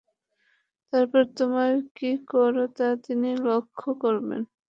অতঃপর তোমরা কি কর তা তিনি লক্ষ্য করবেন।